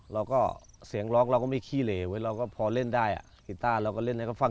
เราก็เสียงร้องเราก็ไม่ขี้เหลวยเราก็พอเล่นได้อ่ะกีต้าเราก็เล่นให้เขาฟัง